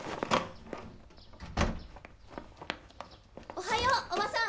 おはようおばさん！